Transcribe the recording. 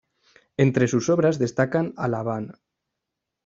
Entre sus obras destacan "¡A L’Habana!